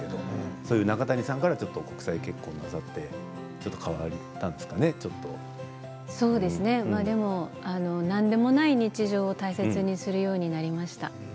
そんな中谷さんから国際結婚なさってそうですね、何でもない日常を大切にするようになりましたね。。